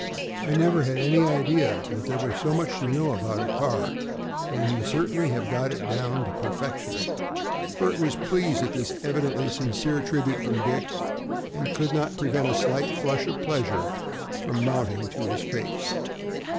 I never had any idea that there was so much to know about a car, and you certainly have got it down to perfection." Bert was pleased at this evidently sincere tribute from Dick, and could not prevent a slight flush of pleasure from mounting to his face.